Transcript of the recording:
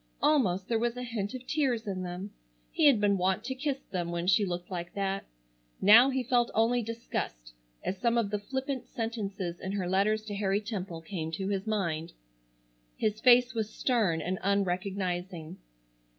Almost there was a hint of tears in them. He had been wont to kiss them when she looked like that. Now he felt only disgust as some of the flippant sentences in her letters to Harry Temple came to his mind. His face was stern and unrecognizing.